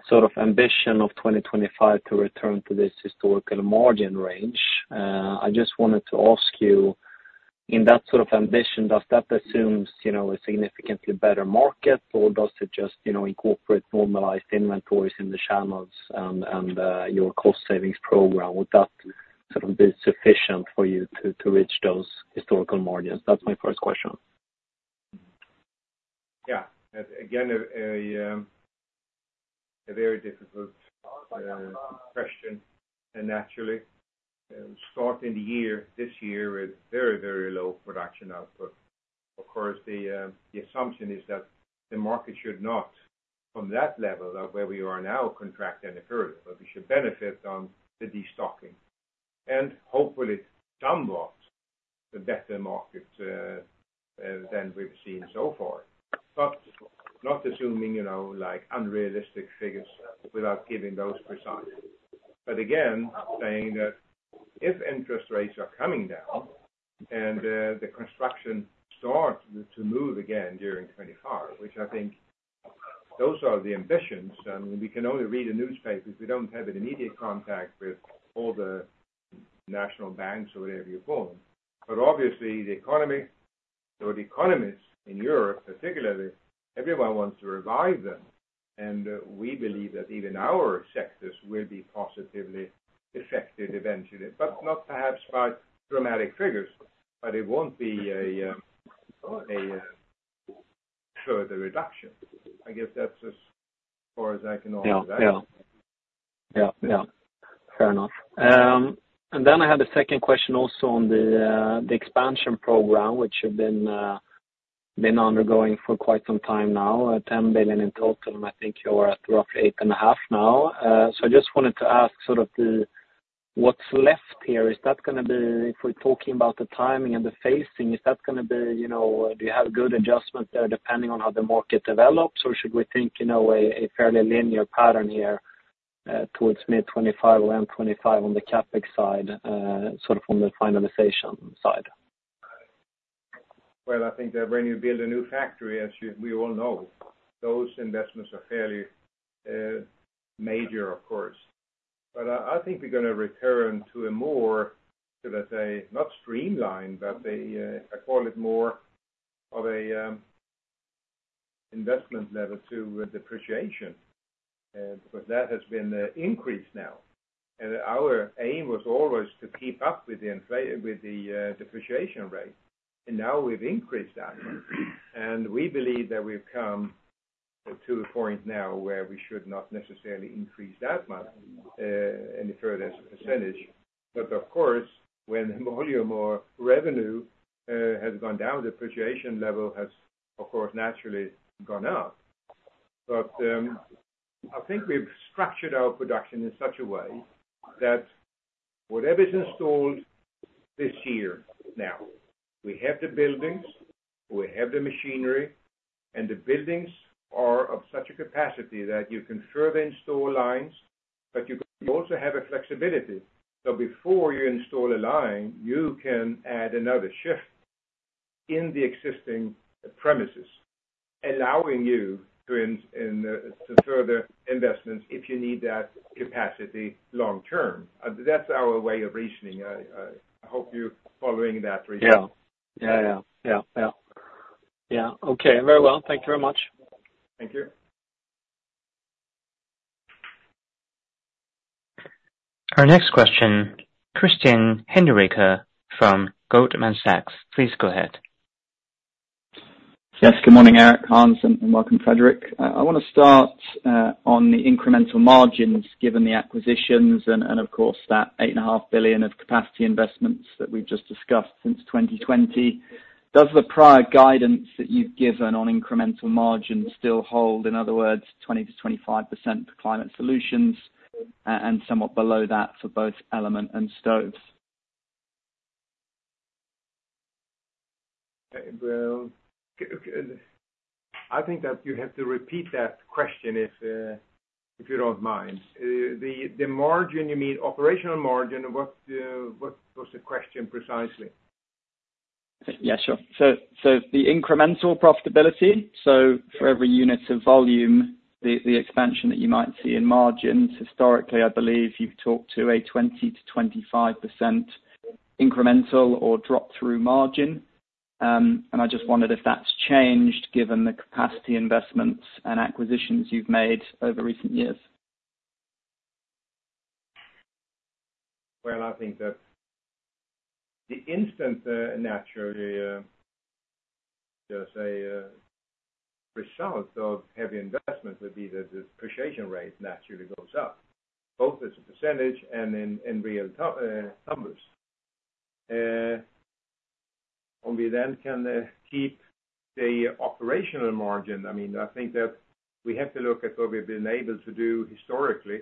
sort of ambition of 2025 to return to this historical margin range. I just wanted to ask you, in that sort of ambition, does that assumes, you know, a significantly better market, or does it just, you know, incorporate normalized inventories in the channels and your cost savings program? Would that sort of be sufficient for you to reach those historical margins? That's my first question. Yeah. Again, a very difficult question. Naturally, starting the year, this year, is very, very low production output. Of course, the assumption is that the market should not, from that level of where we are now, contract any further, but we should benefit on the destocking, and hopefully, it unlocks the better market than we've seen so far. But not assuming, you know, like, unrealistic figures without giving those precisely. But again, saying that if interest rates are coming down and the construction starts to move again during 2025, which I think those are the ambitions, and we can only read the newspapers. We don't have an immediate contact with all the national banks or whatever you call them. But obviously, the economy, or the economists in Europe, particularly, everyone wants to revive them, and we believe that even our sectors will be positively affected eventually, but not perhaps by dramatic figures, but it won't be a further reduction. I guess that's as far as I can go with that. Yeah. Yeah. Yeah, yeah. Fair enough. And then I had a second question also on the expansion program, which you've been undergoing for quite some time now, 10 billion in total. I think you're at roughly 8.5 billion now. So I just wanted to ask sort of, what's left here? Is that gonna be. If we're talking about the timing and the phasing, is that gonna be, you know, do you have good adjustments there, depending on how the market develops? Or should we think, you know, a fairly linear pattern here, towards mid-2025 or end 2025 on the CapEx side, sort of from the finalization side? Well, I think that when you build a new factory, as we all know, those investments are fairly major, of course. But I think we're gonna return to a more, should I say, not streamlined, but a I call it more of a investment level to depreciation, because that has been increased now. And our aim was always to keep up with the depreciation rate, and now we've increased that. And we believe that we've come to a point now where we should not necessarily increase that much in the current percentage. But of course, when volume or revenue has gone down, the depreciation level has, of course, naturally gone up. I think we've structured our production in such a way that whatever is installed this year, now, we have the buildings, we have the machinery, and the buildings are of such a capacity that you can further install lines but you also have a flexibility. So before you install a line, you can add another shift in the existing premises, allowing you to further investments if you need that capacity long term. That's our way of reasoning. I hope you're following that reasoning. Yeah. Yeah, yeah. Yeah, yeah. Yeah, okay, very well. Thank you very much. Thank you. Our next question, Christian Hinderaker from Goldman Sachs. Please go ahead. Yes, good morning, Erik, Hans, and this is Hinderaker. I want to start on the incremental margins, given the acquisitions and of course, that 8.5 billion of capacity investments that we've just discussed since 2020. Does the prior guidance that you've given on incremental margins still hold, in other words, 20%-25% for climate solutions, and somewhat below that for both element and stoves? Well, I think that you have to repeat that question if you don't mind. The margin, you mean operational margin, what was the question precisely? Yeah, sure. So, so the incremental profitability, so for every unit of volume, the expansion that you might see in margins, historically, I believe you've talked to a 20%-25% incremental or drop-through margin. And I just wondered if that's changed given the capacity investments and acquisitions you've made over recent years. Well, I think that the instance, naturally, just a result of heavy investment would be that the depreciation rate naturally goes up, both as a percentage and in, in real ter- numbers. And we then can keep the operational margin. I mean, I think that we have to look at what we've been able to do historically,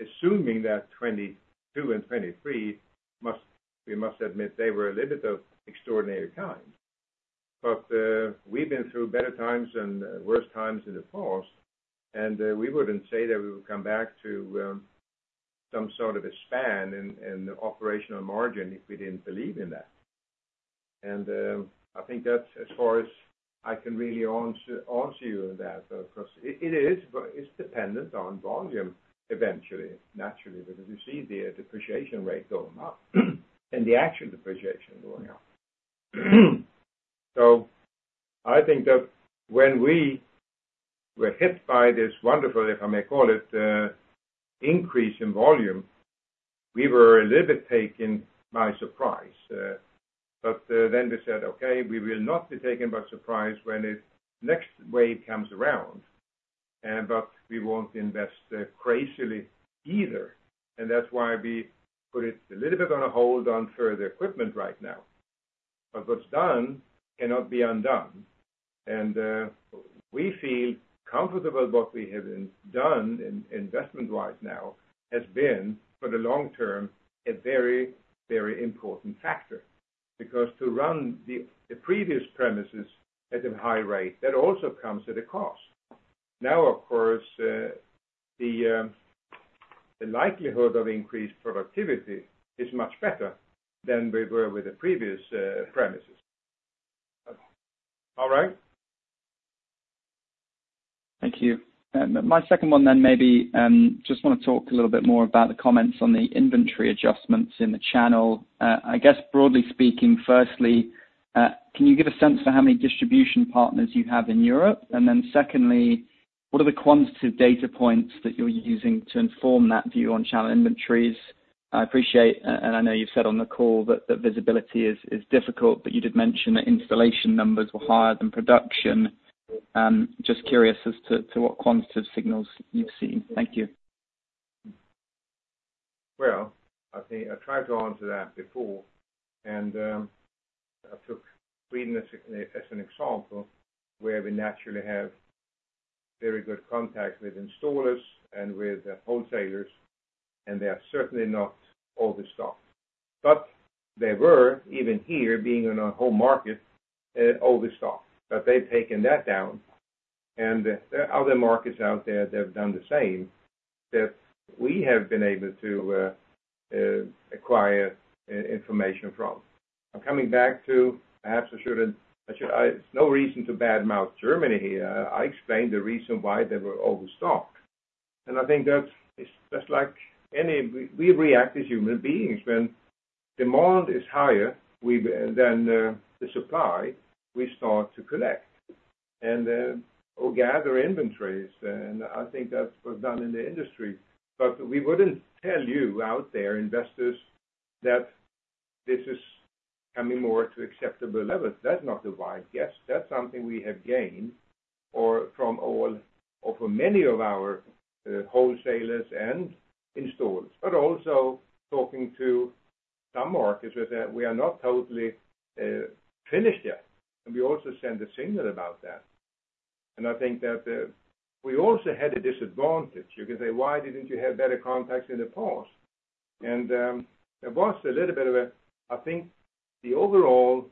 assuming that 2022 and 2023 must we must admit they were a little bit of extraordinary times. But, we've been through better times and worse times in the past, and, we wouldn't say that we would come back to, some sort of a span in, operational margin if we didn't believe in that. I think that's as far as I can really answer you that, because it is, but it's dependent on volume eventually, naturally, because you see the depreciation rate going up, and the actual depreciation going up. So I think that when we were hit by this wonderful, if I may call it, increase in volume, we were a little bit taken by surprise. But then we said, "Okay, we will not be taken by surprise when this next wave comes around, but we won't invest crazily either." And that's why we put it a little bit on a hold on further equipment right now. But what's done cannot be undone. And we feel comfortable what we have done in investment-wise now has been, for the long term, a very, very important factor. Because to run the previous premises at a high rate, that also comes at a cost. Now, of course, the likelihood of increased productivity is much better than we were with the previous premises. All right? Thank you. My second one then, maybe, just wanna talk a little bit more about the comments on the inventory adjustments in the channel. I guess broadly speaking, firstly, can you give a sense for how many distribution partners you have in Europe? And then secondly, what are the quantitative data points that you're using to inform that view on channel inventories? I appreciate, and I know you've said on the call that the visibility is, is difficult, but you did mention that installation numbers were higher than production. Just curious as to, to what quantitative signals you've seen. Thank you. Well, I think I tried to answer that before, and I took Sweden as an example, where we naturally have very good contact with installers and with wholesalers, and they are certainly not overstocked. But they were, even here, being in a home market, overstocked, but they've taken that down. And there are other markets out there that have done the same, that we have been able to acquire information from. Now, coming back to. I perhaps I shouldn't, I should no reason to badmouth Germany here. I explained the reason why they were overstocked. And I think that's, it's just like any. We, we react as human beings. When demand is higher than the supply, we start to collect and or gather inventories, and I think that was done in the industry. But we wouldn't tell you out there, investors, that this is coming more to acceptable levels. That's not the vibe. Yes, that's something we have gained, or from all, or from many of our, wholesalers and installers, but also talking to some markets that, we are not totally, finished yet, and we also send a signal about that. And I think that, we also had a disadvantage. You can say, "Why didn't you have better contacts in the past?" And, there was a little bit of a, I think, the overall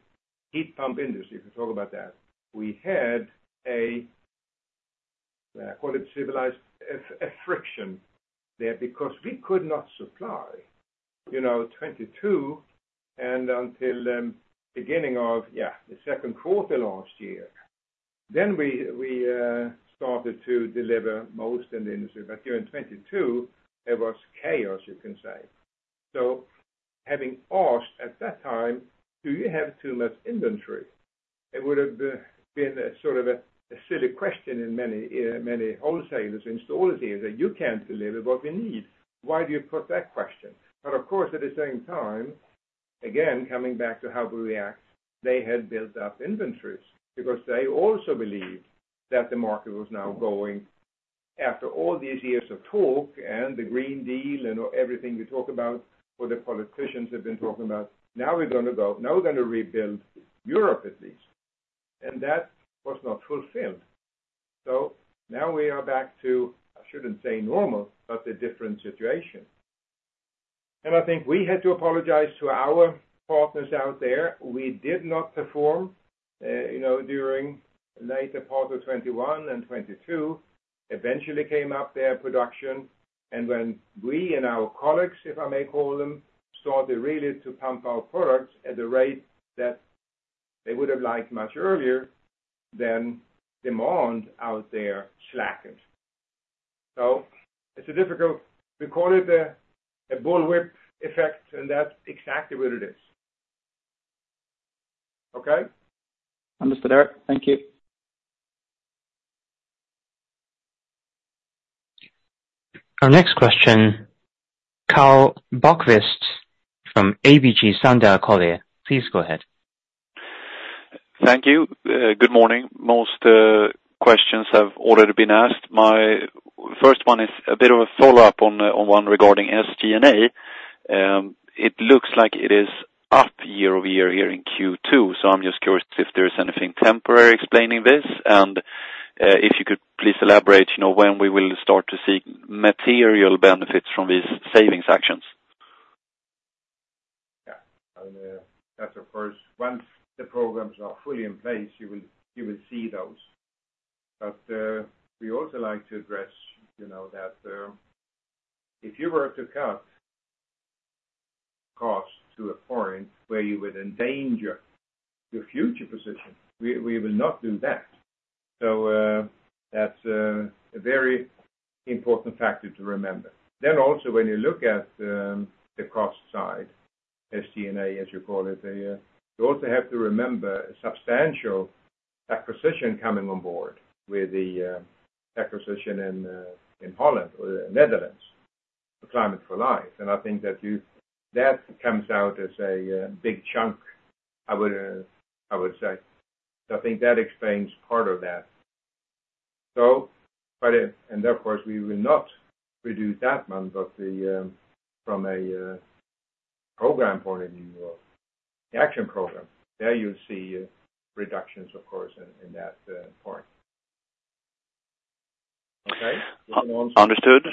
heat pump industry, if we talk about that, we had a, call it civilized f- friction there, because we could not supply, you know, 22, and until, beginning of, yeah, the second quarter last year, then we, we, started to deliver most in the industry. But here in 2022, there was chaos, you can say. So having asked at that time, "Do you have too much inventory?" It would have been a sort of a silly question in many wholesalers and stores here, that you can't deliver what we need. Why do you put that question? But of course, at the same time, again, coming back to how we react, they had built up inventories, because they also believed that the market was now going, after all these years of talk, and the Green Deal, and everything we talk about, what the politicians have been talking about, now we're gonna go... Now we're gonna rebuild Europe, at least. And that was not fulfilled. So now we are back to, I shouldn't say normal, but a different situation. And I think we had to apologize to our partners out there. We did not perform, you know, during later part of 2021 and 2022. Eventually came up their production, and when we and our colleagues, if I may call them, started really to pump our products at the rate that they would have liked much earlier, then demand out there slackened. So it's a difficult, we call it a, a bullwhip effect, and that's exactly what it is. Okay? Understood, Erik. Thank you. Our next question, Karl Bokvist from ABG Sundal Collier, please go ahead. Thank you, good morning. Most questions have already been asked. My first one is a bit of a follow-up on, on one regarding SG&A. It looks like it is up year-over-year here in Q2, so I'm just curious if there is anything temporary explaining this? And, if you could please elaborate, you know, when we will start to see material benefits from these savings actions. Yeah. And, that's of course, once the programs are fully in place, you will, you will see those. But, we also like to address, you know, that, if you were to cut cost to a point where you would endanger your future position, we, we will not do that. So, that's a very important factor to remember. Then also, when you look at, the cost side, SG&A, as you call it, you also have to remember a substantial acquisition coming on board with the, acquisition in, in Holland, or Netherlands, Climate for Life. And I think that that comes out as a big chunk, I would say. So I think that explains part of that. Of course, we will not reduce that amount, but from a program point of view or the action program, there you'll see reductions, of course, in that part. Okay? Understood. Yeah, understood.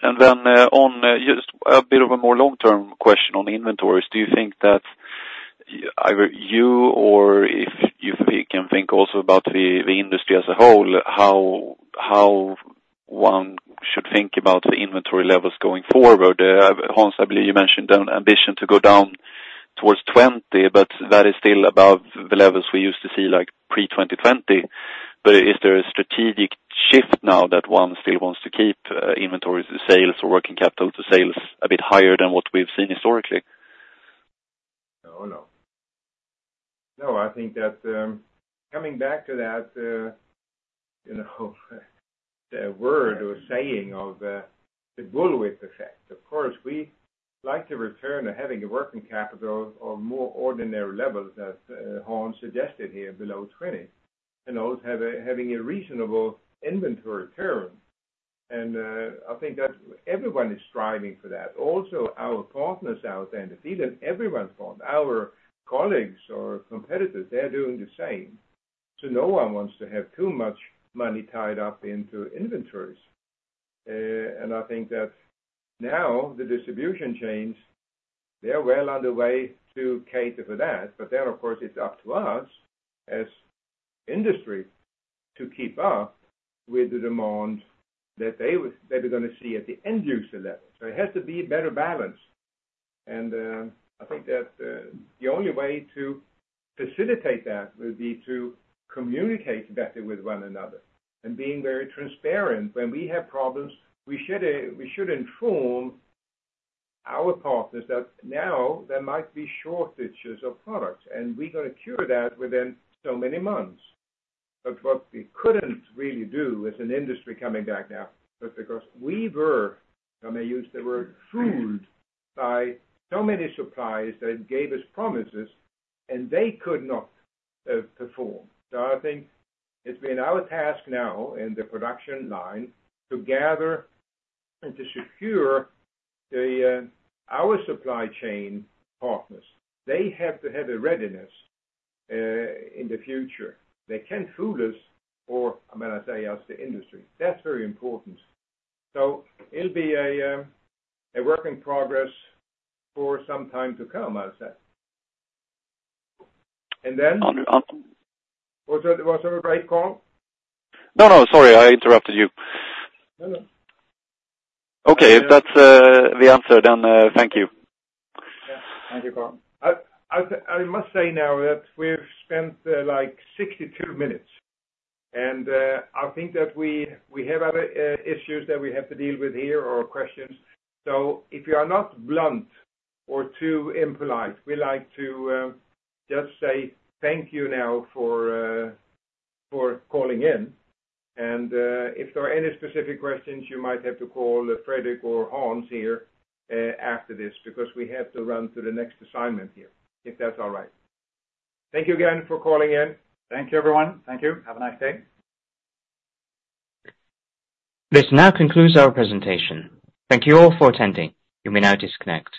And then, on just a bit of a more long-term question on inventories, do you think that either you or if you think, can think also about the, the industry as a whole, how, how one should think about the inventory levels going forward? Hans, I believe you mentioned an ambition to go down towards 20, but that is still above the levels we used to see, like pre-2020. But is there a strategic shift now that one still wants to keep, inventories, sales or working capital to sales a bit higher than what we've seen historically? Oh, no. No, I think that, coming back to that, you know, the word or saying of the bullwhip effect, of course, we like to return to having a working capital of more ordinary levels, as Hans suggested here, below 20, and also having a reasonable inventory return. I think that everyone is striving for that. Also, our partners out there, and even everyone's partner, our colleagues or competitors, they're doing the same. So no one wants to have too much money tied up into inventories. And I think that now the distribution chains, they're well on the way to cater for that, but then, of course, it's up to us as industry to keep up with the demand that they would they were gonna see at the end user level. So it has to be a better balance. I think that the only way to facilitate that would be to communicate better with one another and being very transparent. When we have problems, we should inform our partners that now there might be shortages of products, and we're gonna cure that within so many months. But what we couldn't really do as an industry coming back now, but because we were, I may use the word, fooled by so many suppliers that gave us promises, and they could not perform. So I think it's been our task now in the production line to gather and to secure our supply chain partners. They have to have a readiness in the future. They can't fool us, or I'm gonna say, as the industry. That's very important. So it'll be a, a work in progress for some time to come, I'll say. And then? Um, um. Was that all right, Carl? No, no, sorry, I interrupted you. No, no. Okay, if that's the answer, then thank you. Yeah. Thank you, Carl. I must say now that we've spent, like, 62 minutes, and I think that we have other issues that we have to deal with here or questions. So if you are not blunt or too impolite, we like to just say thank you now for calling in. And if there are any specific questions you might have to call Fredrik or Hans here after this, because we have to run to the next assignment here, if that's all right. Thank you again for calling in. Thank you, everyone. Thank you. Have a nice day. This now concludes our presentation. Thank you all for attending. You may now disconnect.